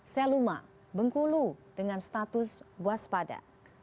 seluma bengkulu dengan status waspada